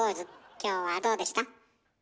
今日はどうでした？